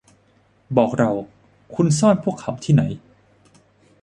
บอกเรา - คุณซ่อนพวกเขาที่ไหน